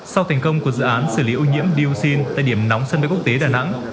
sau thành công của dự án xử lý ô nhiễm dioxin tại điểm nóng sân bay quốc tế đà nẵng